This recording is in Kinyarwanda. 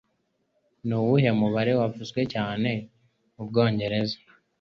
Nuwuhe mubare wavuzwe cyane mubwongereza?